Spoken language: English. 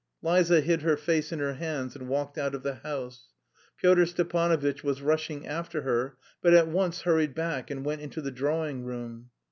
Liza hid her face in her hands and walked out of the house. Pyotr Stepanovitch was rushing after her, but at once hurried back and went into the drawing room.